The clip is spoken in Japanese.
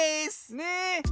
ねえ。